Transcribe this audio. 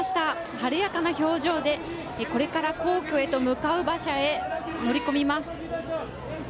晴れやかな表情でこれから皇居へと向かう馬車へ乗り込みます。